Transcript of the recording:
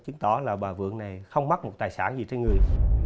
thì bà vượng là người quen thôi